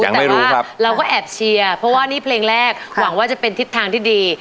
แต่ว่าเราก็แอบเชียร์เพราะว่านี่เพลงแรกหวังว่าจะเป็นทิศทางที่ดี